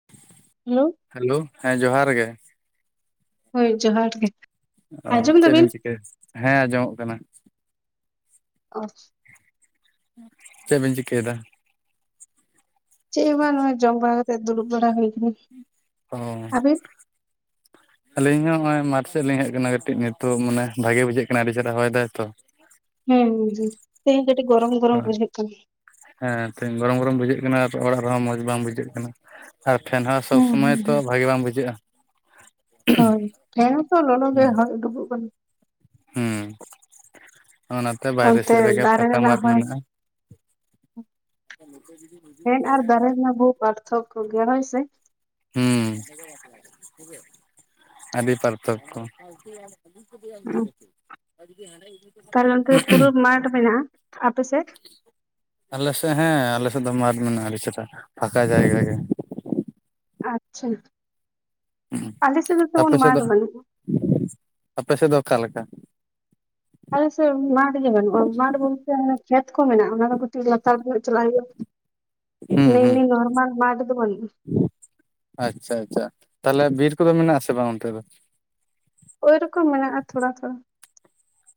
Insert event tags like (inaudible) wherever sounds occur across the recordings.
(inaudible) Hello. Hello. ᱦᱮᱸ ᱡᱚᱦᱟᱨ ᱜᱮ᱾ ᱦᱳᱭ ᱡᱚᱸᱦᱟᱨ ᱜᱮ᱾ ᱚ ᱟᱸᱡᱚᱢ ᱪᱮᱫ ᱫᱟᱵᱤᱱ ᱵᱤᱱ ᱪᱤᱠᱟᱹᱭ᱾ ᱦᱮᱸ ᱟᱸᱡᱚᱢᱚᱜ ᱠᱟᱱᱟ᱾ ᱚ᱾ ᱪᱮᱫ ᱵᱤᱱ ᱪᱤᱠᱟᱹᱭᱮᱫᱟ? ᱪᱮᱫ ᱦᱚ ᱵᱟᱝ᱾ ᱱᱚᱜ-ᱚᱭ ᱡᱚᱢ ᱵᱟᱲᱟ ᱠᱟᱛᱮᱫ ᱫᱩᱨᱵ ᱵᱲᱟᱟ ᱦᱩᱭᱠᱟᱱᱟ᱾ ᱚ᱾ (inaudible) ᱟᱹᱞᱤᱧ ᱦᱚᱸ ᱦᱚᱜᱼᱚᱭ ᱢᱟᱴᱷ ᱥᱮᱫ ᱞᱤᱧ ᱦᱮᱡ ᱟᱠᱟᱱᱟ ᱠᱟᱹᱴᱤᱡ ᱱᱤᱛᱚᱜ ᱢᱟᱱᱮ ᱵᱷᱟᱜᱮ ᱵᱩᱡᱷᱟᱹᱜ ᱠᱟᱱᱟ ᱟᱹᱰᱤ ᱪᱮᱛᱦᱟᱟ ᱦᱚᱭ ᱫᱟᱭ ᱛᱚ᱾ ᱦᱮᱸ ᱦᱩᱸ ᱦᱩᱸ ᱛᱮᱦᱮᱧ ᱠᱟᱹᱴᱤᱡ ᱜᱚᱨᱚᱢ ᱜᱚᱨᱚᱢ ᱵᱩᱡᱟᱹ ᱠᱟᱱᱟ᱾ ᱦᱮᱸ ᱛᱮᱦᱤᱧ ᱜᱚᱨᱚᱢ ᱜᱚᱨᱚᱢ ᱵᱩᱡᱷᱟᱹᱜ ᱠᱟᱱᱟ ᱚᱲᱟᱜ ᱨᱮᱦᱚᱸ ᱢᱚᱸᱡᱽ ᱵᱟᱝ ᱵᱩᱡᱷᱟᱹᱜ ᱠᱟᱱᱟ᱾ ᱟᱨ ᱯᱷᱮᱱ ᱦᱟᱣᱟ ᱥᱚᱵᱽ ᱦᱩᱸ ᱥᱩᱚᱢᱚᱭ ᱦᱩᱸ ᱛᱚ ᱦᱩᱸ ᱵᱷᱟᱜᱮ ᱵᱟᱝ ᱵᱩᱡᱷᱟᱹᱜᱼᱟ᱾ ᱦᱳᱭ ᱯᱦᱮᱸᱱ ᱛᱚ ᱞᱚᱞᱚ ᱜᱮ ᱦᱩᱸ ᱦᱚᱭ ᱰᱩᱵᱩᱜ ᱠᱟᱱᱟ᱾ ᱦᱩᱸ ᱚᱱᱟᱛᱮ ᱵᱟᱭᱨᱮ ᱚᱱᱛᱮ ᱥᱮᱫ ᱨᱮᱜᱮ ᱫᱟᱨᱮ ᱯᱷᱟᱠᱟ ᱨᱮᱱᱟᱜ ᱢᱟᱴ ᱦᱚᱭ ᱢᱮᱱᱟᱜᱼᱟ᱾ ᱯᱷᱮᱱ ᱟᱨ ᱫᱟᱨᱮ ᱨᱮᱱᱟᱜ ᱵᱩᱦᱩ ᱯᱟᱨᱛᱷᱚᱠ ᱜᱮᱭᱟ ᱦᱩᱭ ᱥᱮ᱾ ᱦᱩᱸ᱾ ᱟᱹᱰᱤ ᱯᱟᱨᱛᱷᱚᱠᱠᱚ᱾ (inaudible) ᱛᱟᱦᱞᱮ ᱚᱱᱛᱮ ᱫᱚ ᱯᱩᱨᱟᱹ ᱢᱟᱴ ᱢᱮᱱᱟᱜᱼᱟ ᱟᱯᱮ ᱥᱮᱫ? ᱟᱞᱮᱥᱮᱫ ᱦᱮᱸ ᱟᱞᱮᱥᱮᱫ ᱫᱚ ᱢᱟᱴ ᱢᱮᱱᱟᱜᱼᱟ ᱟᱹᱰᱤ ᱪᱮᱨᱦᱟ ᱯᱷᱟᱸᱠᱟ ᱡᱟᱭᱜᱟ ᱜᱮ᱾ ᱟᱪᱪᱷᱟ ᱟᱞᱤᱥᱮᱫ ᱫᱚ ᱛᱮᱢᱚᱱ ᱟᱯᱮ ᱥᱮᱫ ᱢᱟᱴ ᱫᱚ ᱵᱟᱹᱱᱩᱜᱼᱟ᱾ ᱟᱯᱮ ᱥᱮᱫ ᱫᱚ ᱚᱠᱟᱞᱮᱠᱟ? ᱟᱞᱮ ᱥᱮᱫ ᱢᱟᱴᱷ ᱜᱮ ᱵᱟᱹᱱᱩᱜᱼᱟ ᱢᱟᱴ ᱵᱚᱞᱛᱮ ᱦᱟᱱᱮ ᱠᱷᱮᱛ ᱠᱚ ᱢᱮᱱᱟᱜᱼᱟ᱾ ᱚᱱᱟ ᱫᱚ ᱠᱟᱹᱴᱤᱡ ᱞᱟᱛᱟᱨ ᱧᱚᱜ ᱪᱟᱞᱟᱜ ᱦᱩᱭᱩᱜᱼᱟ᱾ ᱦᱩᱸ ᱢᱟᱱᱮ ᱦᱩᱸ ᱮᱢᱱᱤ ᱱᱚᱨᱢᱟᱞ ᱢᱟᱴ ᱫᱚ ᱵᱟᱱᱩᱜᱼᱟ᱾ ᱟᱪᱪᱷᱟ ᱟᱪᱪᱷᱟ ᱛᱟᱦᱞᱮ ᱵᱤᱨ ᱠᱚᱫᱚ ᱢᱮᱱᱟᱜ ᱟᱥᱮ ᱵᱟᱝ ᱚᱱᱛᱮ ᱫᱚ? ᱳᱭ ᱨᱚᱠᱚᱢ ᱢᱮᱱᱟᱜᱼᱟ ᱛᱷᱚᱲᱟ ᱛᱷᱚᱲᱟ᱾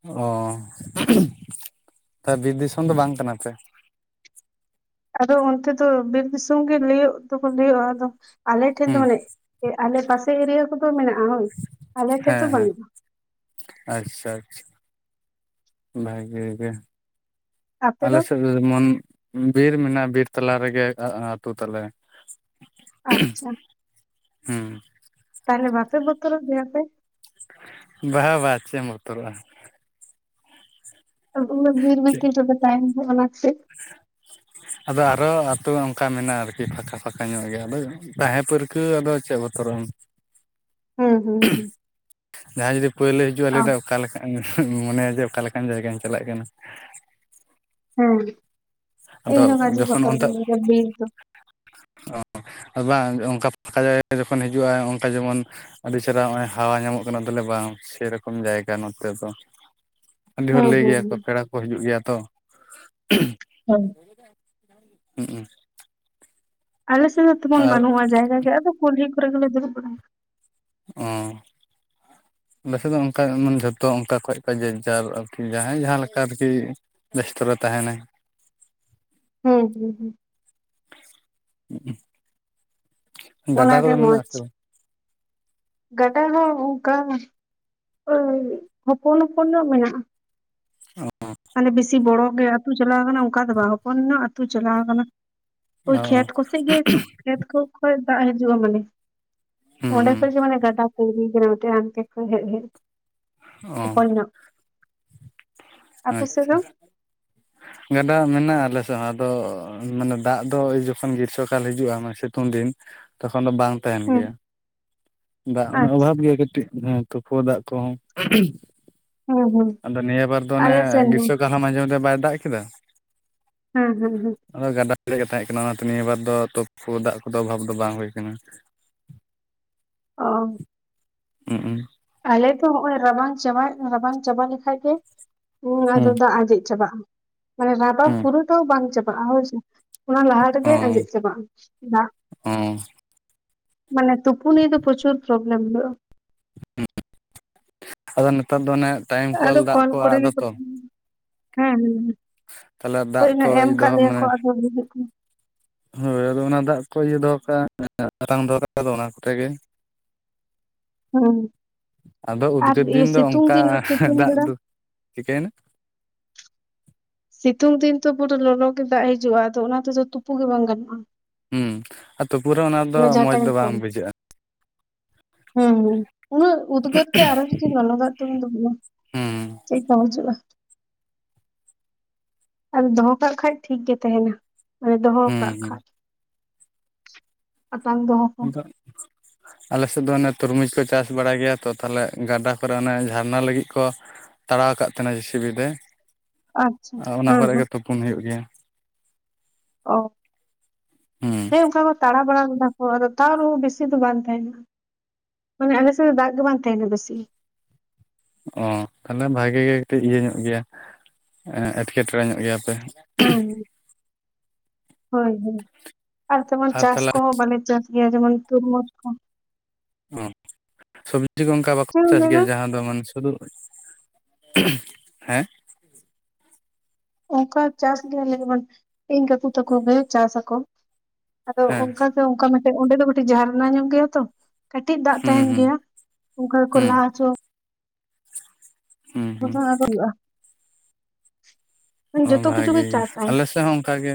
ᱚ ᱛᱟᱦᱮ ᱵᱤᱨ ᱫᱤᱥᱚᱢ ᱫᱚ ᱵᱟᱝ ᱠᱟᱱᱟ ᱯᱮ? ᱟᱫᱚ ᱚᱱᱛᱮ ᱫᱚ ᱵᱤᱨ ᱫᱤᱥᱚᱢ ᱜᱮ ᱞᱟᱹᱭ ᱫᱚᱠᱚ ᱞᱟᱹᱭᱼᱟ ᱟᱫᱚ ᱟᱞᱮ ᱴᱷᱮᱱ ᱫᱚ ᱦᱩᱸ ᱢᱟᱱᱮ ᱟᱞᱮ ᱯᱟᱥᱮ ᱮᱨᱤᱭᱟ ᱠᱚᱫᱚ ᱢᱮᱱᱟᱜᱼᱟ ᱦᱳᱭ ᱟᱞᱮ ᱴᱷᱮᱡ ᱦᱮᱸ ᱫᱚ ᱦᱮᱸ ᱵᱟᱹᱱᱩᱜᱼᱟ᱾ ᱟᱪᱪᱷᱟ ᱟᱪᱪᱷᱟ ᱵᱷᱟᱹᱜᱮ ᱜᱮ᱾ ᱟᱞᱮ ᱥᱮᱫ ᱫᱚ ᱮᱢᱚᱱ ᱵᱤᱨ ᱢᱮᱱᱟᱜ-ᱟ ᱵᱤᱨ ᱛᱟᱞᱟ ᱨᱮᱜᱮ ᱟ-ᱟ-ᱟᱹᱛᱩ ᱛᱟᱞᱮ᱾ ᱟᱪᱪᱷᱟ᱾ ᱦᱩᱸ᱾ ᱛᱟᱦᱚᱞᱮ ᱵᱟᱯᱮ ᱵᱚᱛᱚᱨᱚᱜ ᱜᱮᱭᱟ ᱟᱯᱮ? ᱵᱟ ᱵᱟᱝ ᱪᱮᱫ ᱮᱢ ᱵᱚᱛᱚᱨᱚᱜᱼᱟ᱾ ᱩᱱ ᱩᱱᱟᱹᱜ ᱵᱤᱨ ᱪᱮᱫ ᱵᱷᱤᱛᱤᱨ ᱨᱮᱯᱮ ᱛᱟᱦᱮᱸᱱ ᱜᱮᱭᱟ ᱚᱱᱟ ᱠᱷᱟᱹᱛᱤᱨ ᱟᱫᱚ ᱟᱨᱚ ᱟᱹᱛᱳ ᱚᱝᱠᱟ ᱢᱮᱱᱟᱜ-ᱟ ᱟᱨᱠᱤ ᱯᱷᱟᱸᱠᱟ ᱯᱷᱟᱸᱠᱟ ᱧᱚᱜ ᱜᱮ ᱟᱫᱚ ᱛᱟᱦᱮ ᱯᱟᱹᱨᱠᱟᱹᱣ ᱟᱫᱚ ᱪᱮᱫ ᱵᱚᱛᱚᱨᱚᱜ ᱟᱢ ᱦᱩᱸ ᱦᱩᱸ ᱡᱟᱦᱟᱭ ᱡᱩᱫᱤ ᱯᱟᱹᱭᱞᱟᱹ ᱦᱤᱡᱩᱜᱼᱟᱭ ᱞᱟᱹᱭᱮ ᱦᱩᱸ ᱫᱟ ᱚᱠᱟ ᱞᱮᱠᱷᱟᱡ ᱮᱢ ᱢᱚᱱᱮᱭᱟ ᱡᱮ ᱚᱠᱟ ᱞᱮᱠᱟᱱ ᱡᱟᱭᱜᱟᱧ ᱪᱟᱞᱟᱜ ᱠᱟᱱᱟ᱾ ᱦᱮ ᱟᱫᱚ ᱤᱧ ᱦᱚ ᱠᱟᱡᱮ ᱡᱚᱠᱷᱚᱱ ᱵᱚᱛᱚᱨ ᱚᱱᱛᱮ ᱜᱮᱧ ᱵᱩᱡᱷᱟᱹᱣ-ᱟ ᱵᱤᱨ ᱫᱚ ᱟᱨ ᱵᱟᱝ ᱚᱝᱠᱟ ᱯᱷᱟᱠᱟ ᱡᱟᱭᱜᱟ ᱨᱮ ᱡᱚᱠᱷᱚᱱ ᱦᱤᱡᱩᱜ-ᱟ ᱚᱝᱠᱟ ᱡᱮᱢᱚᱱ ᱟᱹᱰᱤ ᱪᱮᱨᱦᱟ ᱦᱚᱜᱼᱚᱭ ᱦᱟᱣᱟ ᱧᱟᱢᱚᱜ ᱠᱟᱱᱟ ᱛᱟᱦᱞᱮ ᱵᱟᱝ ᱥᱮᱨᱚᱠᱚᱢ ᱡᱟᱭᱜᱟ ᱱᱚᱛᱮ ᱫᱚ᱾ (inaudible) ᱟᱹᱰᱤ ᱦᱚᱲ ᱞᱟᱹᱭ ᱦᱩᱸ ᱜᱮᱭᱟ ᱠᱚ ᱦᱩᱸ ᱯᱮᱲᱟ ᱠᱚ ᱦᱤᱡᱩᱜ ᱜᱮᱭᱟ ᱛᱚ ᱦᱳᱭ ᱦᱩᱜ ᱩ ᱟᱞᱮᱥᱮᱫ ᱫᱚ ᱛᱮᱢᱚᱱ ᱟᱨ ᱵᱟᱹᱱᱩᱜᱼᱟ ᱡᱟᱭᱜᱟ ᱜᱮ ᱟᱫᱚ ᱠᱩᱞᱦᱤ ᱠᱚᱨᱮ ᱜᱮᱞᱮ ᱫᱩᱲᱩᱵ ᱵᱟᱲᱟᱭᱟ᱾ ᱚ ᱟᱞᱮᱟᱥᱮᱫ ᱫᱚ ᱚᱝᱠᱟ ᱢᱟᱱᱮ ᱡᱷᱚᱛᱚ ᱚᱝᱠᱟ ᱠᱷᱚᱡ ᱠᱚᱡ ᱜᱮ ᱡᱟᱨ ᱟᱨᱠᱤ ᱡᱟᱦᱟᱭ ᱡᱟᱦᱟ ᱞᱮᱠᱟ ᱟᱨᱠᱤ ᱵᱮᱥᱛᱚ ᱨᱮ ᱛᱟᱦᱮᱱᱟᱭ᱾ ᱦᱩ ᱦᱩ ᱦᱩ (unintelligible) ᱚᱱᱟ ᱜᱟᱰᱟ ᱜᱮ ᱠᱚᱫᱚ ᱢᱚᱡᱽ ᱢᱮᱱᱟᱜ ᱟᱥᱮ ᱵᱟᱝ ᱜᱟᱰᱟ ᱦᱚ ᱚᱝᱠᱟ ᱚᱭ ᱦᱚᱯᱚᱱ ᱦᱚᱯᱚᱱ ᱧᱚᱜ ᱢᱮᱱᱟᱜ-ᱟ᱾ ᱚ (inaudible) ᱢᱟᱱᱮ ᱵᱮᱥᱤ ᱵᱚᱲᱚ ᱜᱮ ᱟᱹᱛᱩ ᱪᱟᱞᱟᱣ ᱠᱟᱱᱟ ᱚᱝᱠᱟ ᱫᱚ ᱵᱟᱝ ᱦᱚᱯᱚᱱ ᱧᱚᱜ ᱟᱹᱛᱩ ᱪᱟᱞᱟᱣ ᱠᱟᱱᱟ᱾ ᱚᱭ ᱚ ᱠᱷᱮᱛ ᱠᱚᱥᱮᱜ ᱜᱮ ᱠᱷᱮᱛ ᱠᱩ ᱠᱷᱚᱡ ᱫᱟᱜ ᱦᱤᱡᱩᱜ-ᱟ ᱢᱟᱱᱮ ᱦᱩᱸ ᱚᱰᱮ ᱦᱩᱸ ᱠᱷᱚᱡ ᱜᱮ ᱢᱟᱱᱮ ᱜᱟᱰᱟ (unintelligible) ᱚᱱᱛᱮ ᱠᱷᱚᱱ ᱦᱮᱡ ᱦᱮᱡ ᱛᱮ ᱚ ᱦᱚᱯᱚᱱ ᱧᱚᱜ ᱟᱯᱮ ᱥᱮᱫ ᱟᱪᱪᱷᱟ ᱫᱚ (inaudible) ᱜᱟᱰᱟ ᱢᱮᱱᱟᱜ-ᱟ ᱟᱞᱮ ᱥᱮᱫ ᱦᱚᱸ ᱟᱫᱚ ᱢᱟᱱᱮ ᱫᱟᱜ ᱫᱚᱭ ᱡᱚᱠᱷᱚᱱ ᱜᱤᱨᱥᱚᱠᱟᱞ ᱦᱤᱡᱩᱜ-ᱟ ᱢᱟ ᱥᱤᱛᱩᱝ ᱫᱤᱱ ᱛᱚᱠᱷᱚᱱ ᱫᱚ ᱵᱟᱝ ᱛᱟᱦᱮᱱ ᱦᱮᱸ ᱜᱮᱭᱟ ᱫᱟᱜ ᱩᱱᱟᱹᱜ ᱟᱪᱪᱷᱟ ᱚᱵᱷᱟᱵᱽ ᱜᱮᱭᱟ ᱠᱟᱹᱴᱤᱡ ᱦᱩ ᱛᱩᱯᱩ ᱫᱟᱜ ᱠᱚᱦᱚ ᱦᱮᱸ ᱦᱮᱸ ᱟᱫᱚ ᱱᱤᱭᱟᱹ ᱵᱟᱨ ᱫᱚ ᱚᱱᱮ ᱟᱞᱮ ᱥᱮᱱ ᱦᱚᱸ ᱜᱤᱥᱚ ᱞᱟᱦᱟ ᱢᱟᱡᱮ ᱢᱟᱡᱮ ᱵᱟᱭ ᱫᱟᱜ ᱠᱮᱫᱟ᱾ ᱦᱮ ᱦᱮ ᱦᱮ ᱟᱫᱚ ᱜᱟᱰᱟ (unintelligible) ᱛᱟᱦᱮᱜ ᱠᱟᱱᱟ ᱚᱱᱟᱛᱮ ᱱᱤᱭᱟᱹ ᱵᱟᱨ ᱫᱚ ᱛᱳᱯᱳ ᱫᱟᱜ ᱠᱚᱫᱚ ᱚᱵᱷᱟᱵᱽ ᱫᱚ ᱵᱟᱝ ᱦᱩᱭ ᱠᱟᱱᱟ᱾ ᱚ ᱩ ᱩ ᱟᱞᱮ ᱛᱚ ᱦᱚᱸᱜ-ᱚᱭ ᱨᱟᱵᱟᱝ ᱪᱟᱵᱟ ᱨᱟᱵᱟᱝ ᱪᱟᱵᱟ ᱞᱮᱠᱷᱟᱡ ᱜᱮ ᱩ ᱟᱫᱚ ᱦᱩᱸ ᱫᱟᱜ ᱟᱡᱮᱡ ᱪᱟᱵᱟᱜ-ᱟ᱾ ᱢᱟᱱᱮ ᱵᱷᱟᱫᱚᱨ ᱦᱩᱸ ᱯᱩᱨᱟᱹᱴᱟᱜ ᱵᱟᱝ ᱪᱟᱵᱟᱜ-ᱟ ᱦᱚᱭᱥᱮ ᱚᱱᱟ ᱞᱟᱦᱟ ᱚ ᱨᱮᱜᱮ ᱟᱡᱮᱫ ᱪᱟᱵᱟᱜ-ᱟ ᱫᱟᱜ ᱚ ᱢᱟᱱᱮ ᱛᱩᱯᱩ ᱱᱤᱭᱟᱹ ᱫᱚ ᱯᱨᱩᱪᱩᱨ ᱯᱨᱚᱵᱞᱮᱢ ᱦᱩᱭᱩᱜ-ᱟ᱾ (unintelligible) ᱟᱫᱚ ᱱᱮᱛᱟᱨ ᱫᱚ ᱚᱱᱮ ᱴᱟᱭᱮᱢ ᱠᱚᱞ ᱫᱟᱜ ᱠᱚ ᱟᱲᱟᱜ ᱫᱟ ᱛᱚ ᱦᱩ ᱦᱩ ᱦᱩ ᱛᱟᱦᱚᱞᱮ ᱦᱳᱭ ᱫᱟᱜ ᱚᱱᱟ ᱠᱚ ᱮᱢ ᱟᱠᱟᱫ ᱫᱚᱦᱚ ᱞᱮᱭᱟ ᱠᱚ ᱢᱟᱱᱮ ᱟᱫᱚ ᱦᱩᱭᱩᱜ ᱠᱟᱱᱟ ᱾ ᱦᱳᱭ ᱟᱫᱚ ᱚᱱᱟ ᱫᱟᱜ ᱠᱚ ᱤᱭᱟᱹ ᱫᱚᱦᱚ ᱠᱟᱜ-ᱟ (unintelligible) ᱫᱚᱦᱚ ᱠᱟᱛᱮᱜ ᱟᱫᱚ ᱚᱱᱟ ᱠᱚᱛᱮ ᱜᱮ ᱦᱩᱸ ᱟᱫᱚ ᱟᱨ ᱩᱫᱽᱜᱟᱹᱨ ᱤᱭᱟᱹ ᱫᱤᱱ ᱫᱚ ᱥᱤᱛᱩᱝ ᱚᱝᱠᱟ ᱫᱤᱱ ᱟᱨ ᱥᱤᱛᱩᱝ ᱫᱟᱜ ᱵᱮᱲᱟ ᱫᱚ ᱪᱤᱠᱟᱹᱭᱮᱱᱟ? ᱥᱤᱛᱩᱝ ᱫᱤᱱ ᱛᱚ ᱯᱩᱨᱟᱹ ᱞᱚᱞᱚ ᱜᱮ ᱫᱟᱜ ᱦᱤᱡᱩᱜ-ᱟ ᱟᱫᱚ ᱚᱱᱟ ᱛᱮᱫᱚ ᱛᱩᱯᱩ ᱜᱮ ᱵᱟᱝ ᱜᱟᱱᱚᱜ-ᱟ᱾ ᱦᱩᱸ ᱟᱨ ᱛᱩᱵᱩ ᱨᱮᱦᱚ ᱚᱱᱟ ᱫᱚ ᱢᱚᱸᱡᱽ ᱫᱚ ᱴᱟᱭᱤᱢ ᱵᱟᱝ ᱠᱚᱞ ᱵᱩᱡᱷᱟᱹᱜ-ᱟ᱾ ᱦᱩᱸ ᱦᱩᱸ ᱩᱱᱟᱹᱜ ᱩᱫᱜᱟᱹᱨ ᱛᱮ ᱟᱨᱦᱚ ᱡᱚᱫᱤ ᱞᱚᱞᱚ ᱫᱟᱜ ᱛᱮᱵᱚᱱ ᱛᱩᱯᱩᱱᱟ, ᱦᱩᱸ ᱪᱮᱜ-ᱠᱟ ᱵᱩᱡᱷᱟᱹᱜ-ᱟ? ᱟᱨ ᱫᱚᱦᱚ ᱠᱟᱜ ᱠᱷᱟᱡ ᱴᱷᱤᱠ ᱜᱮ ᱛᱟᱦᱮᱱᱟ, ᱢᱟᱱᱮ ᱫᱚᱦᱚ ᱦᱩᱸ ᱠᱟᱜ ᱦᱩᱸ ᱠᱷᱟᱡ᱾ ᱥᱛᱟᱝ ᱫᱚᱦᱚ᱾ ᱠᱚ ᱱᱤᱛ ᱫᱚ, ᱟᱞᱮ ᱥᱮᱫ ᱫᱚ ᱚᱱᱮ ᱛᱩᱨᱢᱩᱡ ᱠᱚ ᱪᱟᱥ ᱵᱟᱲᱟᱭ ᱜᱮᱭᱟ᱾ ᱛᱚ ᱛᱟᱞᱦᱮ ᱜᱟᱰᱟ ᱠᱚᱨᱮ, ᱚᱱᱮ ᱡᱷᱟᱨᱱᱟ ᱞᱟᱹᱜᱤᱜ ᱠᱚ ᱛᱟᱲᱟᱣ ᱟᱠᱟᱜ ᱛᱟᱦᱮᱸᱱᱟ ᱡᱮ ᱥᱤ ᱯᱤ ᱛᱮ᱾ ᱟᱪᱪᱷᱟ ᱟ ᱚᱱᱟ ᱦᱮᱸ ᱠᱚᱨᱮᱜ ᱦᱮᱸ ᱜᱮ ᱛᱩᱯᱩᱱ ᱦᱩᱭᱩᱜ ᱜᱮᱭᱟ᱾ ᱚ ᱦᱩᱸ ᱦᱮᱸ ᱚᱝᱠᱟ ᱠᱚ ᱛᱟᱲᱟᱣ ᱵᱟᱲᱟ ᱞᱮᱫᱟ ᱠᱚ, ᱟᱫᱚ ᱛᱟᱣ ᱨᱮᱦᱚᱸ ᱵᱮᱥᱤ ᱫᱚ ᱵᱟᱝ ᱛᱟᱦᱮᱱᱟ᱾ ᱢᱟᱱᱮ ᱟᱞᱮ ᱥᱮᱫ ᱫᱟᱜ ᱜᱮ ᱵᱟᱝ ᱛᱟᱦᱮᱱᱟ ᱵᱮᱥᱤ᱾ ᱚ ᱛᱟᱞᱦᱮ ᱵᱷᱟᱜᱮ ᱜᱮ ᱠᱟᱹᱴᱤᱡ ᱤᱭᱟᱹ ᱧᱚᱜ ᱜᱮᱭᱟ, ᱮᱸ ᱮᱴᱠᱮᱴᱚᱬᱮ ᱧᱚᱜ ᱜᱮᱭᱟ ᱯᱮ᱾ ᱦᱩᱸ ᱦᱳᱭ ᱦᱳᱭ᱾ ᱟᱨ ᱛᱮᱢᱚᱱ ᱪᱟᱥ ᱠᱚᱦᱚᱸ ᱵᱟᱞᱮ ᱪᱟᱥ ᱜᱮᱭᱟ ᱡᱮᱢᱚᱱ ᱛᱩᱨᱢᱩᱡ ᱠᱚ᱾ ᱚ ᱥᱚᱵᱽᱡᱤ ᱠᱚ ᱚᱝᱠᱟ ᱵᱟᱠᱚ ᱪᱮᱫ ᱮᱢ ᱪᱟᱥ ᱢᱮᱱᱟ ᱜᱮᱭᱟ, ᱡᱟᱦᱟᱸ ᱫᱚ ᱢᱟᱱᱮ ᱥᱩᱫᱩ ᱦᱮᱸ? ᱚᱝᱠᱟ ᱪᱟᱥ ᱜᱮᱭᱟᱞᱮ, ᱡᱮᱢᱚᱱ ᱤᱧ ᱠᱟᱠᱩ ᱛᱟᱠᱚ ᱜᱮ ᱪᱟᱥ ᱟᱠᱚ᱾ ᱟᱫᱚ ᱦᱮᱸ ᱚᱝᱠᱟ ᱟᱫᱚ ᱚᱝᱠᱟ ᱢᱮᱫᱴᱮᱡ ᱚᱸᱰᱮ ᱫᱚ ᱢᱤᱜᱴᱤᱡ ᱡᱷᱟᱨᱱᱟ ᱧᱚᱜ ᱜᱮᱭᱟ ᱛᱚ, ᱠᱟᱹᱴᱤᱡ ᱫᱟᱜ ᱦᱩᱸ ᱛᱟᱦᱮᱱ ᱦᱩᱸ ᱜᱮᱭᱟ᱾ ᱚᱝᱠᱟ ᱜᱮᱠᱚ ᱦᱩᱸ ᱞᱟ ᱦᱩᱸ ᱦᱩᱸ ᱡᱷᱚᱛᱚᱱᱟᱜ ᱜᱮ ᱦᱩᱭᱩᱜ-ᱟ᱾ ᱚ ᱵᱷᱟᱜᱮ ᱜᱮ ᱟᱞᱮ ᱥᱮᱜ ᱦᱚᱸ ᱚᱝᱠᱟ ᱜᱮ,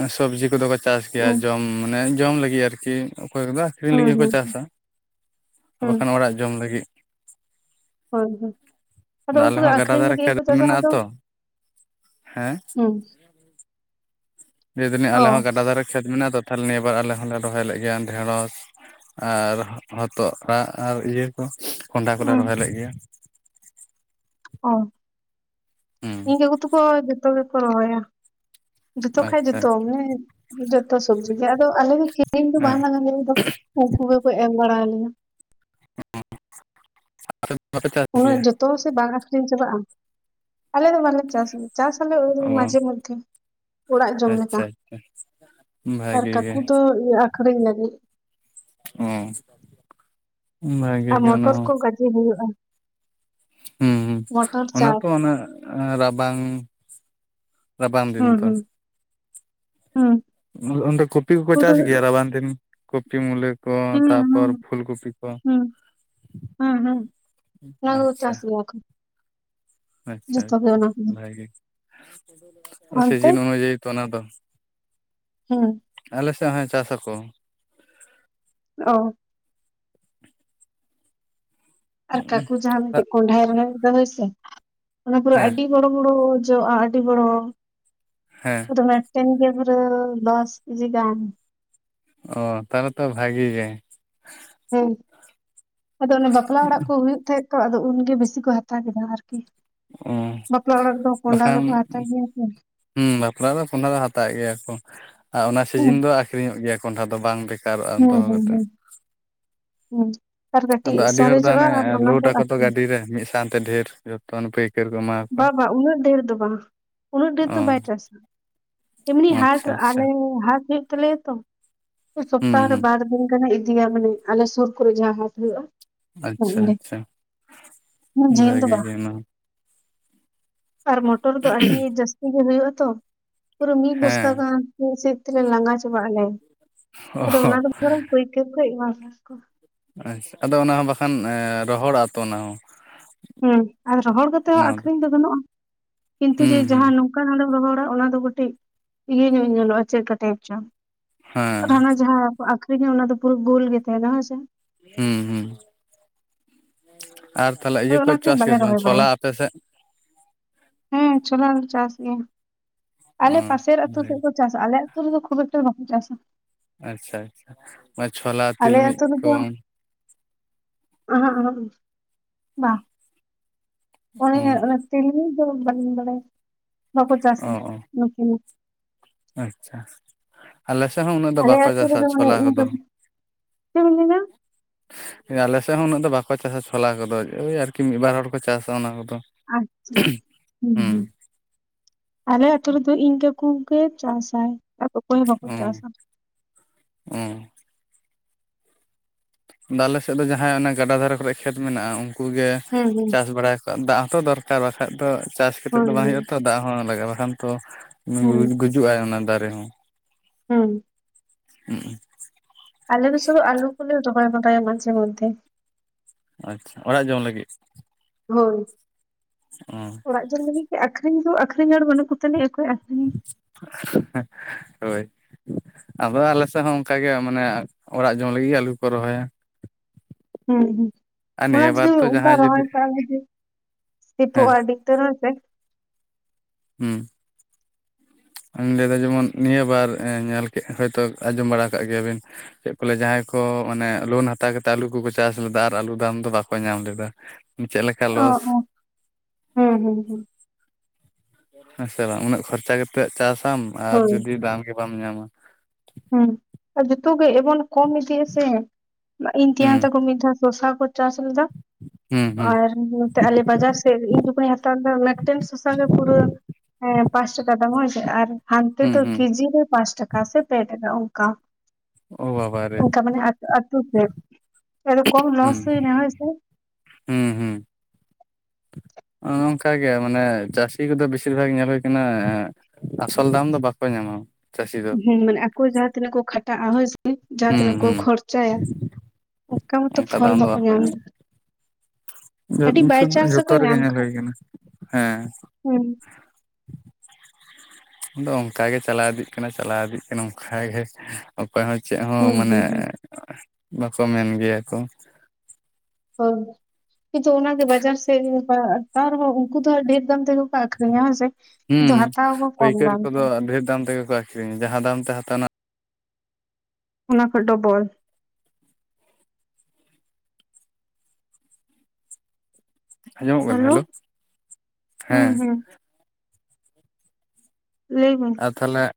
ᱮᱸ ᱥᱚᱵᱽᱡᱤ ᱠᱚᱫᱚ ᱠᱚ ᱪᱟᱥ ᱜᱮᱭᱟ ᱦᱩᱸ ᱡᱚᱢ ᱢᱟᱱᱮ ᱡᱚᱢ ᱞᱟᱹᱜᱤᱜ ᱟᱨᱠᱤ᱾ ᱚᱠᱚᱭ ᱠᱚᱫᱚ ᱟᱹᱠᱷᱨᱤᱧ ᱦᱩᱸ ᱞᱟᱹᱜᱤᱫ ᱦᱚᱸᱠᱚ ᱦᱩᱸ ᱪᱟᱥᱟ, ᱟᱨ ᱦᱩᱸ ᱵᱟᱠᱷᱟᱱ ᱚᱲᱟᱜ ᱡᱚᱢ ᱞᱟᱹᱜᱤᱫ᱾ ᱦᱳᱭ ᱦᱳᱭ᱾ ᱟᱫᱚ ᱟᱞᱮ ᱩᱱᱠᱩ ᱫᱚ ᱦᱚᱸ ᱜᱟᱰᱟ ᱟᱠᱷᱨᱤᱧ ᱫᱷᱟᱨᱮ ᱞᱟᱹᱜᱤᱜ ᱠᱷᱮᱛ ᱦᱚᱸᱠᱚ ᱪᱟᱥᱟ ᱢᱮᱱᱟᱜᱼᱟ ᱟᱫᱚ᱾ ᱛᱚ ᱦᱮᱸ ᱞᱟᱹᱭ ᱫᱟᱹᱞᱤᱧ ᱚ ᱟᱞᱮ ᱦᱚᱸ ᱜᱟᱰᱟ ᱫᱷᱟᱨᱮ ᱠᱷᱮᱛ ᱢᱮᱱᱟᱜᱼᱟ ᱛᱚ, ᱛᱷᱟᱞᱦᱮ ᱱᱤᱭᱟᱹ ᱵᱟᱨ ᱟᱞᱮ ᱦᱚᱸᱞᱮ ᱨᱚᱦᱚᱭ ᱞᱮᱜ ᱜᱮᱭᱟ ᱰᱷᱮᱸᱲᱚᱥ᱾ ᱟᱨ ᱦᱚᱛᱚᱜ ᱟᱲᱟᱜ ᱟᱨ ᱤᱭᱟᱹ ᱠᱚ ᱠᱚᱸᱰᱷᱟ ᱠᱚᱞᱮ ᱦᱩᱸ ᱨᱚᱦᱚᱭ ᱞᱮᱜ ᱜᱮᱭᱟ᱾ ᱚ᱾ ᱦᱩᱸ ᱤᱧ ᱠᱟᱠᱩ ᱛᱟᱠᱚ ᱡᱚᱛᱚ ᱜᱮᱠᱚ ᱨᱚᱦᱚᱭᱟ᱾ ᱡᱚᱛᱚ ᱠᱷᱟᱡ ᱟᱪᱪᱷᱟ ᱡᱚᱛᱚᱜᱮ, ᱡᱚᱛᱚ ᱥᱚᱵᱽᱡᱤ ᱜᱮ ᱟᱫᱚ ᱟᱞᱮ ᱫᱚ ᱠᱤᱨᱤᱧ ᱫᱚ ᱦᱮᱸ ᱵᱟᱝ ᱞᱟᱜᱟᱣ ᱞᱮᱭᱟ (unintelligible) ᱩᱝᱠᱩ ᱜᱮᱠᱚ ᱮᱢ ᱵᱟᱲᱟᱣᱟᱞᱮᱭᱟ᱾ ᱟᱯᱮ ᱫᱚ ᱵᱟᱯᱮ ᱪᱟᱥ ᱩᱱᱟᱹᱜ ᱜᱮᱭᱟ ᱡᱚᱛᱚ ᱥᱮ ᱵᱟᱝ ᱟᱠᱷᱨᱤᱧ ᱪᱟᱵᱟᱜᱼᱟ᱾ ᱟᱞᱮ ᱫᱚ ᱵᱟᱞᱮ ᱪᱟᱥ ᱜᱮᱭᱟ᱾ ᱪᱟᱥ ᱟᱞᱮ ᱳᱭ ᱚ ᱢᱟᱡᱷᱮ ᱢᱚᱫᱽᱫᱷᱮ, ᱚᱲᱟᱜ ᱡᱚᱢ ᱞᱮᱠᱟ᱾ ᱟᱪᱪᱷᱟ ᱟᱪᱪᱷᱟ ᱟᱨ ᱵᱷᱟᱜᱮ ᱜᱮ ᱠᱟᱠᱩ ᱫᱚ ᱤᱭᱟᱹ ᱟᱠᱷᱨᱤᱧ ᱞᱟᱹᱜᱤᱫ᱾ ᱚ᱾ ᱵᱷᱟᱜᱮ ᱟᱨ ᱜᱮ ᱚᱱᱟ ᱢᱚᱴᱚᱨ ᱦᱚᱸ ᱠᱚ ᱜᱟᱡᱮ ᱦᱩᱭᱩᱜᱼᱟ᱾ ᱦᱩᱸ ᱦᱩᱸ ᱢᱚᱴᱚᱨ ᱚᱱᱟ ᱪᱟᱥ ᱛᱚ ᱚᱱᱟ ᱨᱟᱵᱟᱝ ᱨᱟᱵᱟᱝ ᱫᱤᱱ ᱦᱩᱸ ᱛᱚ ᱦᱩᱸ, ᱦᱩᱸ᱾ ᱟᱨ ᱚᱸᱰᱮ ᱠᱚᱯᱤ ᱠᱚᱠᱚ ᱯᱩᱨᱟᱹ ᱪᱟᱥ ᱜᱮᱭᱟ ᱨᱟᱵᱟᱝ ᱫᱤᱱ ᱠᱚᱯᱤ, ᱢᱩᱞᱟᱹ᱾ ᱠᱚ ᱦᱩᱸ ᱦᱩᱸ ᱛᱟᱯᱚᱨ ᱯᱷᱩᱞ ᱠᱚᱯᱷᱤ ᱠᱚ, ᱦᱩᱸ ᱦᱩᱸ ᱦᱩᱸ ᱚᱱᱟ ᱠᱚ ᱟᱪᱪᱷᱟ᱾ ᱪᱟᱥ ᱜᱮᱭᱟ ᱠᱚ ᱟᱪᱪᱷᱟ ᱡᱚᱛᱚ ᱜᱮ ᱚᱱᱟ ᱟᱪᱪᱷᱟ ᱠᱚᱫᱚ ᱵᱷᱟᱜᱮ᱾ ᱚ ᱚᱱᱛᱮ ᱥᱤᱡᱤᱱ ᱚᱱᱩᱡᱟᱭᱤ ᱛᱚ ᱚᱱᱟ ᱫᱚ᱾ ᱦᱩᱸ᱾ ᱟᱞᱮ ᱥᱮᱜ ᱦᱚᱸᱭ ᱪᱟᱥ ᱟᱠᱚ᱾ ᱚ᱾ ᱟᱨ ᱠᱟᱠᱩ ᱡᱟᱦᱟᱸ ᱢᱤᱫᱴᱮᱡ ᱠᱚᱸᱰᱟᱭ ᱨᱚᱦᱚᱭ ᱞᱮᱫᱟ ᱦᱳᱭ ᱥᱮ, ᱚᱱᱟ ᱯᱩᱨᱟᱹ ᱦᱮᱸ ᱟᱹᱰᱤ ᱵᱚᱲᱚ ᱵᱚᱲᱚ ᱡᱚᱜ-ᱟ ᱟᱹᱰᱤ ᱵᱚᱲᱚ᱾ ᱦᱮᱸ᱾ ᱯᱩᱨᱟᱹ ᱢᱮᱜᱴᱮᱱ ᱜᱮ ᱯᱩᱨᱟᱹ ᱫᱚᱥ ᱠᱤᱡᱤ ᱜᱟᱱ᱾ ᱚ ᱛᱟᱦᱚᱞᱮ ᱛᱚ ᱵᱷᱟᱜᱮ ᱜᱮ᱾ ᱦᱮᱸ ᱟᱫᱚ ᱚᱱᱮ ᱵᱟᱯᱞᱟ ᱚᱲᱟᱜ ᱠᱚ ᱦᱩᱭᱩᱜ ᱛᱟᱦᱮᱸᱫ᱾ ᱛᱚ ᱟᱫᱚ ᱩᱱ ᱜᱮ ᱵᱮᱥᱤ ᱠᱚ ᱦᱟᱛᱟᱣ ᱠᱮᱫᱟ ᱟᱨᱠᱤ᱾ ᱚ ᱵᱟᱯᱞᱟ ᱚᱲᱟᱜ ᱨᱮᱫᱚ ᱠᱚᱸᱰᱷᱟ ᱵᱟᱠᱷᱟᱱ ᱫᱚᱠᱚ ᱦᱟᱛᱟᱣ ᱜᱮᱭᱟ ᱥᱮ ᱦᱩᱸ ᱵᱟᱯᱞᱟ ᱫᱚ ᱠᱚᱸᱰᱷᱟ ᱫᱚ ᱦᱟᱛᱟᱣᱮᱜ ᱜᱮᱭᱟ ᱠᱚ ᱟᱨ ᱚᱱᱟ ᱦᱩᱸ ᱥᱤᱡᱤᱱ ᱫᱚ ᱠᱷ ᱟᱹᱠᱷᱨᱤᱧᱚᱜ ᱜᱮᱭᱟ ᱠᱚᱸᱱᱰᱦᱟ ᱫᱚ ᱵᱟᱝ ᱵᱮᱠ ᱦᱩᱸ ᱦᱩᱸ ᱦᱩᱸ ᱦᱩᱸ᱾ ᱟᱨ ᱠᱟᱹᱴᱤᱡ ᱟᱫᱚ ᱟᱹᱰᱤ ᱦᱚᱲ ᱫᱚ ᱥᱟᱨᱮᱡᱚᱜᱼᱟ ᱦᱟᱱᱮ ᱟᱨ ᱚᱱᱟ ᱞᱳᱰ ᱫᱚ ᱟᱠᱚ ᱛᱚ ᱟᱠᱷᱨᱤᱧ ᱜᱟᱹᱰᱤ ᱨᱮ ᱢᱤᱫ ᱥᱟᱶᱛᱮ ᱰᱷᱮᱨ ᱡᱚᱛᱚ ᱚᱱᱮ ᱯᱟᱹᱭᱠᱟᱹᱨ ᱠᱚ ᱮᱢᱟ ᱠᱚᱣᱟ ᱵᱟ ᱵᱟ ᱩᱱᱟᱹᱜ ᱰᱷᱮᱨ ᱫᱚ ᱵᱟᱦ ᱩᱱᱟᱹᱜ ᱰᱷᱮᱨ ᱫᱚ ᱵᱟᱭ ᱪᱟᱥᱟ᱾ ᱮᱢᱱᱤ ᱚ ᱦᱟᱴ ᱟᱪᱪᱷᱟ ᱟᱪᱪᱷᱟ ᱟᱞᱮ ᱦᱟᱴ ᱦᱩᱭᱩᱜ ᱛᱟᱞᱮᱭᱟ ᱛᱚ᱾ ᱦᱩᱸ ᱥᱚᱯᱛᱟᱦᱚ ᱨᱮ ᱦᱩᱸ ᱵᱟᱨ ᱫᱤᱱ ᱜᱟᱱᱮ ᱤᱫᱤᱭᱟ ᱢᱟᱱᱮ ᱟᱞᱮ ᱥᱩᱨ ᱠᱚᱨᱮ ᱡᱟᱦᱟᱸ ᱦᱟᱴ ᱦᱩᱭᱩᱜᱼᱟ᱾ ᱦᱳᱭ ᱟᱪᱪᱷᱟ ᱚᱱᱰᱮ ᱟᱪᱪᱷᱟ ᱩᱱᱟᱜ ᱡᱟᱹᱞ ᱫᱚ ᱵᱷᱟᱜᱤ ᱵᱟᱦ᱾ ᱜᱮ ᱚᱱᱟ ᱟᱨ ᱢᱚᱴᱚᱨ ᱫᱚ ᱟᱹᱰᱤ ᱡᱟᱹᱥᱛᱤ ᱜᱮ ᱦᱩᱭᱩᱜ ᱟᱛᱚ, ᱯᱩᱨᱟᱹ ᱢᱤᱫ ᱵᱚᱥᱛᱟ ᱦᱮᱸ ᱜᱟᱱ᱾ ᱢᱤᱫ ᱥᱤᱫ ᱛᱮᱞᱮ ᱞᱟᱸᱜᱟ ᱪᱟᱵᱟᱜ ᱟᱞᱮ᱾ ᱚ ᱟᱫᱚ ᱚᱱᱟ ᱠᱚᱫᱚ ᱵᱚᱨᱚᱝ ᱯᱟᱹᱭᱠᱟᱹᱨ ᱠᱚ ᱮᱢᱟ ᱠᱚᱣᱟ᱾ ᱟᱪᱪᱦᱟ ᱟᱫᱚ ᱚᱱᱟ ᱦᱚᱸ ᱵᱟᱠᱷᱟᱱ ᱮᱸ ᱨᱚᱦᱚᱲᱚᱜ ᱟᱛᱚ ᱚᱱᱟ ᱦᱚᱸ᱾ ᱦᱩᱸ ᱟᱨ ᱨᱚᱦᱚᱲ ᱠᱟᱛᱮ ᱦᱚᱸ ᱟᱠᱷᱨᱤᱧ ᱫᱚ ᱜᱟᱱᱚᱜᱼᱟ ᱠᱤᱱᱛᱩ ᱡᱮ ᱦᱩᱸ ᱦᱩᱸ ᱡᱟᱦᱟ ᱱᱚᱝ ᱠᱟ ᱱᱚᱰᱮᱢ ᱨᱚᱦᱚᱲᱟ ᱚᱱᱟᱫᱚ ᱠᱟᱹᱴᱤᱡ ᱤᱭᱟᱹᱧᱚᱜ ᱧᱮᱞᱚᱜ-ᱟ ᱪᱮᱫ ᱠᱟᱴᱤᱡ ᱪᱚᱝ᱾ ᱦᱮᱸ ᱟᱨ ᱚᱱᱟ ᱦᱟᱱᱟ ᱡᱟᱦᱟᱸ ᱵᱚ ᱟᱠᱷᱨᱤᱧᱟ ᱚᱱᱟ ᱫᱚ ᱯᱩᱨᱟᱹ ᱜᱳᱞ ᱜᱮ ᱛᱟᱦᱮᱸᱱᱟ ᱦᱳᱭᱥᱮ᱾ ᱦᱩᱸ ᱦᱩᱸ᱾ ᱟᱨ ᱛᱟᱦᱞᱮ ᱤᱭᱟ ᱟᱫᱚ ᱠᱚ ᱚᱱᱟᱛᱮ ᱪᱟᱥ ᱵᱟᱞᱮ ᱜᱮᱭᱟ ᱥᱮ ᱵᱟᱝ ᱨᱚᱦᱚᱭ ᱪᱷᱚᱞᱟ ᱵᱟᱲᱟᱭᱟ ᱟᱯᱮᱥᱮᱫ? ᱦᱮᱸ ᱪᱷᱳᱞᱟ ᱞᱮ ᱪᱟᱥ ᱜᱮᱭᱟ᱾ ᱚ ᱟᱞᱮ ᱯᱟᱥᱮᱨ ᱟᱹᱛᱩ ᱥᱮᱫ ᱵᱷᱟᱜᱮ ᱫᱚ ᱪᱟᱥᱟ ᱟᱞᱮ ᱟᱹᱛᱩ ᱨᱮᱫᱚ ᱠᱷᱩᱵᱽ ᱮᱠᱴᱟ ᱫᱚ ᱵᱟᱠᱩ ᱪᱟᱥᱟ᱾ ᱟᱪᱪᱷᱟ ᱟᱪᱪᱷᱟ᱾ ᱵᱟ ᱪᱷᱚᱞᱟ ᱟᱞᱮ ᱛᱤᱞᱢᱤᱧ ᱟᱛᱩ ᱠᱚ ᱨᱮᱫᱚ ᱦᱩᱸ ᱟᱹᱦᱟᱹᱜ ᱟᱹᱦᱟᱹᱜ ᱵᱟᱦ᱾ ᱚᱱᱮ ᱚᱱᱮ ᱛᱤᱞᱢᱤᱧ ᱫᱚ ᱵᱟᱞᱤᱧ ᱵᱟᱲᱟᱭᱟ ᱵᱟᱠᱚ ᱪᱟᱥᱟ ᱚ ᱚ ᱱᱚᱛᱮ ᱱᱚ᱾ ᱟᱪᱪᱷᱟ᱾ ᱟᱞᱮ ᱥᱮᱜ ᱦᱚᱸ ᱩᱱᱟᱹᱜ ᱫᱚ ᱟᱞᱮ ᱵᱟᱠᱚ ᱟᱹᱛᱩ ᱪᱟᱥᱟ ᱨᱮᱫᱚ ᱢᱟᱱᱮ ᱪᱷᱚᱞᱟ ᱤᱧ ᱠᱚᱫᱚ᱾ ᱫᱚ ᱪᱮᱫ ᱵᱤᱱ ᱞᱟᱹᱭᱫᱟ ᱳᱭ ᱟᱞᱮ ᱥᱮᱫ ᱦᱚᱸ ᱩᱱᱟᱹᱜ ᱫᱚ ᱵᱟᱠᱚ ᱪᱟᱥᱟ ᱪᱷᱳᱞᱟ ᱠᱚᱫᱚ, ᱳᱭ ᱟᱨᱠᱤ ᱢᱤᱫ ᱵᱟᱨ ᱦᱚᱲ ᱠᱚ ᱪᱟᱥᱟ ᱚᱱᱟ ᱠᱚᱫᱚ᱾ ᱟᱪᱪᱷᱟ ᱦᱩᱸ ᱦᱩᱸ᱾ ᱟᱞᱮ ᱟᱹᱛᱩ ᱨᱮᱫᱚ ᱤᱱ ᱠᱟᱹᱠᱩ ᱜᱮ ᱪᱟᱥ ᱟᱭ ᱟᱨ ᱚᱠᱚᱭ ᱦᱚᱸ ᱵᱟᱠᱚ ᱚ ᱪᱟᱥᱟ᱾ ᱚ ᱟᱫᱚ ᱟᱞᱮ ᱥᱮᱫ ᱫᱚ ᱡᱟᱦᱟᱸᱭ ᱚᱱᱟ ᱜᱟᱰᱟ ᱫᱷᱟᱨᱮ ᱠᱚᱨᱮᱜ ᱠᱷᱮᱛ ᱢᱮᱱᱟᱜᱼᱟ ᱩᱱᱠᱩ ᱜᱮ ᱦᱩᱸ ᱦᱩᱸ ᱪᱟᱥ ᱵᱟᱲᱟᱭᱟᱠᱚ ᱟᱨ ᱫᱟᱜ ᱦᱚᱸᱛᱚ ᱫᱚᱨ ᱠᱟᱨ ᱵᱟᱠᱷᱟᱡ ᱫᱚ ᱪᱟᱥ ᱠᱟᱛᱮᱫ ᱫᱚ ᱦᱳᱭ ᱵᱟᱝ ᱦᱩᱭᱩᱜ ᱟᱛᱚ ᱫᱟᱜ ᱦᱚᱸ ᱞᱟᱜᱟᱜᱼᱟ᱾ ᱵᱟᱠᱷᱟᱱ ᱛᱚ ᱦᱩᱸ ᱜᱩᱡ-ᱜᱤᱡ ᱡᱩᱜ ᱟᱭ ᱚᱱᱟ ᱫᱟᱨᱮ ᱦᱚᱸ ᱦᱩᱸ᱾ ᱦᱩᱸ᱾ ᱟᱞᱮ ᱫᱚ ᱥᱩᱫᱩ ᱟᱞᱩ ᱠᱚᱞᱮ ᱨᱚᱦᱚᱭ ᱵᱟᱲᱟᱭᱟ ᱢᱟᱡᱷᱮ ᱢᱚᱫᱽᱫᱷᱮ᱾ ᱟᱪᱪᱷᱟ ᱚᱲᱟᱜ ᱡᱚᱢ ᱞᱟᱹᱜᱤᱫ? ᱦᱳᱭ᱾ ᱚᱸ᱾ ᱚᱲᱟᱜ ᱡᱚᱢ ᱞᱟᱹᱜᱤᱫ ᱜᱮ, ᱟᱠᱷᱨᱤᱧ ᱫᱚ ᱟᱠᱷᱨᱤᱧ ᱦᱚᱲ ᱵᱟᱹᱱᱩᱜ ᱠᱚᱛᱟᱞᱮ ᱚᱠᱚᱭ ᱟᱠᱷᱨᱤᱧᱟ? ᱦᱳᱭ᱾ ᱟᱫᱚ ᱟᱞᱮ ᱥᱮᱫ ᱦᱚᱸ ᱚᱱᱠᱟᱜᱮ ᱢᱟᱱᱮ ᱚᱲᱟᱜ ᱡᱚᱢ ᱞᱟᱹᱜᱤᱫ ᱜᱮ ᱟᱞᱩ ᱠᱚᱠᱚ ᱨᱚᱦᱚᱭᱟ᱾ ᱦᱩᱸ ᱦᱩᱸ ᱟᱨ ᱚᱱᱟ ᱱᱤᱭᱟᱹ ᱡᱩᱫᱤ ᱵᱟᱨ ᱛᱚ ᱚᱱᱠᱟ ᱡᱟᱦᱟᱸᱭ ᱨᱚᱦᱚᱭ ᱡᱩᱫᱤ ᱠᱟᱜ-ᱟᱞᱮ ᱡᱩᱫᱤ᱾ ᱥᱮᱯᱚᱜ ᱦᱮᱸ ᱟ ᱟᱹᱰᱤ ᱩᱛᱟᱹᱨ ᱦᱳᱭ ᱥᱮ᱾ ᱦᱩᱸ᱾ ᱟᱨᱤᱧ ᱞᱟᱹᱭ ᱫᱟ ᱡᱮᱢᱚᱱ ᱱᱤᱭᱟᱹ ᱵᱟᱨ ᱮᱸ ᱧᱮᱞ ᱠᱮᱫ, ᱦᱚᱭᱛᱳ ᱟᱸᱡᱚᱢ ᱵᱟᱲᱟ ᱠᱟᱜ ᱜᱮᱭᱟᱵᱮᱱ ᱪᱮᱫ ᱠᱚ ᱞᱟᱹᱭᱟ ᱡᱟᱦᱟᱸᱭ ᱠᱚ ᱢᱟᱱᱮ ᱞᱳᱱ ᱦᱟᱛᱟᱣ ᱠᱟᱛᱮᱫ ᱟᱞᱩ ᱠᱚᱠᱚ ᱪᱟᱥ ᱞᱮᱫᱟ ᱟᱨ ᱟᱞᱩ ᱫᱟᱢ ᱫᱚ ᱵᱟᱠᱚ ᱧᱟᱢ ᱞᱮᱫᱟ᱾ (unintelligible) ᱚ ᱚ ᱦᱮᱸ ᱦᱮᱸ ᱦᱮᱸ᱾ ᱦᱮᱸ ᱥᱮ ᱵᱟᱝ, ᱩᱱᱟᱹᱜ ᱠᱷᱚᱨᱪᱟ ᱠᱟᱛᱮᱫ ᱪᱟᱥᱟᱢ ᱟᱨ ᱦᱳᱭ ᱡᱩᱫᱤ ᱫᱟᱢ ᱜᱮ ᱵᱟᱢ ᱧᱟᱢᱟ᱾ ᱦᱩᱸ ᱟᱨ ᱡᱚᱛᱚ ᱜᱮ ᱮᱢᱚᱱ ᱠᱚᱢ ᱤᱫᱤᱜ-ᱟ ᱥᱮ ᱤᱧ ᱦᱩᱸ ᱛᱮᱭᱟᱝ ᱛᱟᱠᱚ ᱢᱤᱫ ᱫᱷᱟᱣ ᱥᱚᱥᱟ ᱠᱚ ᱪᱟᱥ ᱞᱮᱫᱟ ᱦᱩᱸ ᱦᱩᱸ ᱟᱨ ᱱᱚᱛᱮ ᱟᱞᱮ ᱵᱟᱡᱟᱨ ᱥᱮᱫ ᱤᱧ ᱡᱚᱠᱷᱚᱱᱤᱧ ᱦᱟ ᱛᱟᱣ ᱞᱮᱫᱟ ᱢᱮᱫᱴᱮᱱ ᱫᱚᱥᱟᱨ ᱜᱮ ᱯᱩᱨᱟᱹ ᱦᱮᱸ ᱯᱟᱸᱪ ᱴᱟᱠᱟ ᱫᱟᱢ ᱦᱳᱭᱥᱮ ᱟᱨ ᱦᱟᱱᱛᱮ ᱦᱩᱸ ᱫᱚ ᱦᱩᱸ ᱠᱮᱡᱤ ᱨᱮ ᱯᱟᱸᱪ ᱴᱟ ᱠᱟ ᱥᱮ ᱯᱮ ᱴᱟᱠᱟ ᱚᱱᱠᱟ᱾ ᱳ ᱵᱟᱵᱟᱨᱮ ᱚᱱᱠᱟ ᱢᱟᱱᱮ ᱟᱹᱛᱩ ᱟᱹᱛᱩ ᱛᱮ, ᱟᱫᱚ ᱠᱚᱢ ᱦᱩᱸ ᱞᱚᱥ ᱦᱩᱭᱱᱟ ᱦᱳᱭ ᱥᱮ᱾ ᱦᱩᱸ ᱦᱩᱸ᱾ ᱚ ᱚᱱᱠᱟ ᱜᱮ ᱢᱟᱱᱮ ᱪᱟᱹᱥᱤ ᱠᱚᱫᱚ ᱵᱮᱥᱤᱨ ᱵᱷᱟᱜᱽ ᱧᱮᱞ ᱦᱩᱭ ᱠᱟᱱᱟ ᱮ ᱟᱥᱚᱞ ᱫᱟᱢ ᱫᱚ ᱵᱟᱠᱚ ᱧᱟᱢᱟ᱾ ᱪᱟᱹᱥᱤ ᱫᱚ ᱦᱮᱸ ᱢᱟᱱᱮ ᱟᱠᱚ ᱡᱟᱦᱟᱸ ᱛᱤᱱᱟᱹᱜ ᱠᱚ ᱠᱷᱟᱴᱟᱜ-ᱟ ᱦᱳᱭ ᱥᱮ᱾ ᱡᱟᱦᱟᱸ ᱛᱤᱱᱟᱹᱜ ᱦᱩᱸ ᱠᱚ ᱦᱩᱸ ᱠᱷᱚᱨᱪᱟᱭᱟ, ᱚᱱᱠᱟ ᱢᱚᱛᱚ ᱯᱷᱚᱞ ᱵᱟᱠᱚ ᱧᱟᱢ ᱫᱟ᱾ ᱡᱷᱚ ᱥᱩᱫᱩ ᱪᱟᱱᱥ ᱡᱷᱚᱛᱚ ᱨᱮᱠᱚ ᱨᱮᱜᱮ ᱧᱮᱞ ᱦᱩᱭ ᱠᱟᱱᱟ, ᱦᱮᱸ᱾ ᱦᱮᱸ᱾ ᱟᱫᱚ ᱚᱱᱠᱟᱜᱮ ᱪᱟᱞᱟᱣ ᱤᱫᱤᱜ ᱠᱟᱱᱟ ᱪᱟᱞᱟᱣ ᱤᱫᱤᱜ ᱠᱟᱱᱟ ᱚᱱᱠᱟᱜᱮ᱾ ᱚᱠᱚᱭ ᱦᱚᱸ ᱪᱮᱫ ᱦᱚᱸ ᱦᱩᱸ ᱢᱟᱱᱮ ᱦᱩᱸ ᱦᱩᱸ ᱵᱟᱠᱚ ᱢᱮᱱ ᱜᱮᱭᱟ ᱠᱚ᱾ ᱦᱳᱭ᱾ ᱠᱤᱱᱛᱩ ᱚᱱᱟᱜᱮ ᱵᱟᱡᱟᱨ ᱥᱮᱫ ᱨᱮ ᱛᱟᱣ ᱨᱮᱦᱚᱸ ᱩᱱᱠᱩ ᱫᱚ ᱰᱷᱮᱨ ᱫᱟᱢ ᱛᱮᱜᱮ ᱠᱚ ᱟᱠᱷᱨᱤᱧᱟ ᱦᱮᱸᱥᱮ᱾ ᱦᱩᱸ ᱯᱟᱹᱭᱠᱟᱹᱨ ᱠᱚᱫᱚ ᱰᱷᱮᱨ ᱫᱟᱢ ᱛᱮᱜᱮ ᱠᱚ ᱟᱠᱷᱨᱤᱧᱟ ᱡᱟᱦᱟᱸ ᱫᱟᱢ ᱛᱮ ᱦᱟᱛᱟ ᱱᱟ ᱚᱱᱟ ᱠᱷᱚᱡ ᱰᱚᱵᱚᱞ᱾ ᱟᱸᱡᱚᱢᱚᱜ ᱠᱟᱱᱟ ᱦᱮᱞᱳ, ᱦᱩᱸ ᱦᱮᱸ᱾ ᱦᱩᱸ ᱞᱟᱹᱭ ᱢᱮ᱾ ᱟᱨ ᱛᱟᱦᱞᱮ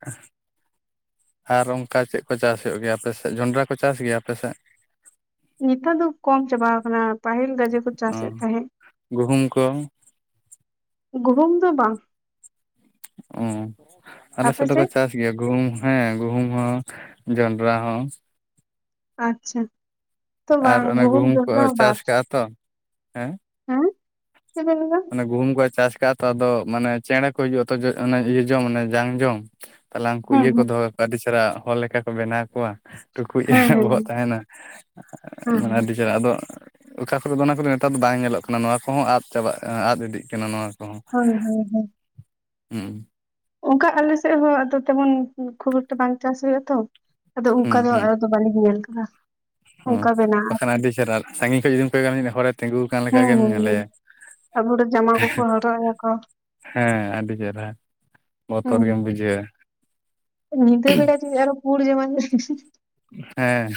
ᱟᱨ ᱚᱱᱠᱟ ᱪᱮᱫ ᱠᱚ ᱪᱟᱥ ᱦᱳᱭᱳᱜ ᱜᱮᱭᱟ ᱟᱯᱮ ᱥᱮᱫ, ᱡᱚᱱᱰᱨᱟ ᱠᱚ ᱪᱟᱥ ᱜᱮᱭᱟ ᱟᱯᱮ ᱥᱮᱫ? ᱱᱮᱛᱟᱨ ᱫᱚ ᱠᱚᱢ ᱪᱟᱵᱟᱣ ᱠᱟᱱᱟ ᱯᱟᱹᱦᱤᱞ ᱜᱟᱡᱮ ᱠᱚ ᱚ ᱪᱟᱥᱮᱫ ᱛᱟᱦᱮᱸᱫ᱾ ᱜᱩᱦᱩᱢ ᱠᱚ? ᱜᱩᱦᱩᱢ ᱫᱚ ᱵᱟᱝ᱾ ᱚ, ᱟᱞᱮ ᱥᱮᱫ ᱫᱚᱠᱚ ᱪᱟᱥ ᱜᱮᱭᱟ ᱜᱩᱦᱩᱢ ᱦᱮᱸ ᱜᱩᱦᱩᱢ ᱦᱚᱸ, ᱡᱚᱱᱰᱨᱟ ᱦᱚᱸ, ᱟᱪᱪᱷᱟ᱾ ᱛᱚ ᱟᱨ ᱵᱟᱝ ᱚᱱᱮ ᱜᱩᱦᱩᱢ ᱠᱚ ᱡᱚᱱᱰᱨᱟ ᱪᱟᱥ ᱵᱟᱫ ᱠᱟᱜᱼᱟ ᱛᱚ, ᱦᱮᱸ? ᱦᱮᱸ ᱪᱮᱫ ᱵᱮᱱ ᱞᱟᱹᱭᱫᱟ? ᱚᱱᱮ ᱜᱩᱦᱩᱢ ᱠᱚ ᱪᱟᱥ ᱠᱟᱜᱼᱟ ᱛᱚ ᱟᱫᱚ ᱢᱟᱱᱮ ᱪᱮᱬᱮ ᱠᱚ ᱦᱤᱡᱩᱜᱼᱟ ᱛᱚ ᱤᱭᱟᱹ ᱡᱚᱢ ᱢᱟᱱᱮ ᱡᱟᱝ ᱡᱚᱢ, ᱛᱟᱞᱦᱮ ᱦᱟᱱᱠᱩ ᱦᱮᱸ ᱤᱭᱟᱹ ᱠᱚ ᱫᱚᱦᱚ ᱠᱟᱠᱚᱣᱟ ᱟᱹᱰᱤ ᱪᱮᱦᱨᱟ ᱦᱚᱲ ᱞᱮᱠᱟ ᱠᱚ ᱵᱮᱱᱟᱣ ᱠᱚᱣᱟ, ᱴᱩᱠᱩᱡ ᱮ ᱦᱮᱸ ᱦᱮᱸ ᱵᱚᱦᱚᱜ ᱦᱮᱸ ᱛᱟᱦᱮᱱᱟ ᱦᱮᱸ ᱢᱟᱱᱮ ᱦᱮᱸ ᱟᱹᱰᱤ ᱪᱮᱦᱨᱟ ᱟᱫᱚ ᱚᱠᱟ ᱠᱚᱨᱮᱫ ᱫᱚ ᱚᱱᱟ ᱠᱚᱫᱚ ᱱᱮᱛᱟᱨ ᱫᱚ ᱵᱟᱝ ᱧᱮᱞᱚᱜ ᱠᱟᱱᱟ ᱱᱚᱣᱟ ᱠᱚᱦᱚᱸ ᱟᱫ ᱪᱟᱵᱟᱜ ᱟᱫ ᱤᱫᱤᱜ ᱠᱟᱱᱟ ᱱᱚᱣᱟ ᱠᱚᱦᱚᱸ᱾ ᱦᱳᱭ ᱦᱳᱭ ᱦᱳᱭ᱾ ᱦᱩᱸ᱾ ᱚᱱᱠᱟ ᱟᱞᱮ ᱥᱮᱫ ᱦᱚᱸ ᱟᱫᱚ ᱛᱮᱢᱚᱱ ᱠᱷᱩᱵ ᱮᱠᱴᱟ ᱵᱟᱝ ᱪᱟᱥ ᱦᱩᱭᱩᱜ ᱟᱛᱚ, ᱟᱫᱚ ᱚᱱᱠᱟ ᱦᱩᱸ ᱫᱚ ᱦᱩᱸ ᱟ ᱫᱚ ᱵᱟᱞᱤᱧ ᱧᱮᱞ ᱠᱟᱫᱟ᱾ ᱦᱩᱸ ᱵᱟᱠᱷᱟᱱ ᱟᱹᱰᱤ ᱪᱮᱦᱨᱟ, ᱥᱟᱺᱜᱤᱧ ᱠᱷᱚᱡ ᱡᱩᱫᱤᱢ ᱠᱚᱭᱚᱜ-ᱟ ᱢᱤᱫ ᱦᱚᱲᱮ ᱛᱤᱸᱜᱩ ᱟᱠᱟᱱ ᱞᱮᱠᱟ ᱦᱮᱸ ᱜᱮᱢ ᱦᱮᱸ ᱦᱮᱸ ᱧᱮᱞᱮᱭᱟ᱾ ᱟᱵᱚ ᱫᱚ ᱡᱟᱢᱟ ᱠᱚᱠᱚ ᱦᱚᱨᱚᱜ ᱟᱠᱚ ᱦᱮᱸ ᱟᱹᱰᱤ ᱪᱮᱨᱦᱟ᱾ ᱦᱮᱸ ᱵᱚᱛᱚᱨ ᱜᱮᱢ ᱵᱩᱡᱷᱟᱹᱣᱟ᱾ ᱧᱤᱫᱟᱹ ᱵᱮᱲᱟ ᱡᱩᱫᱤ ᱟᱨᱚ ᱯᱩᱲ ᱡᱟᱢᱟ (unintelligible) ᱦᱮᱸ᱾